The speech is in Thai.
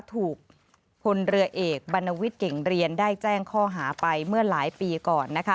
ถูกพลเรือเอกบรรณวิทย์เก่งเรียนได้แจ้งข้อหาไปเมื่อหลายปีก่อน